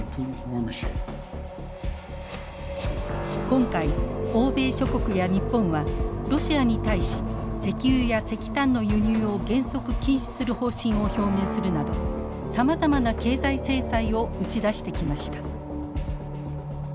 今回欧米諸国や日本はロシアに対し石油や石炭の輸入を原則禁止する方針を表明するなどさまざまな経済制裁を打ち出してきました。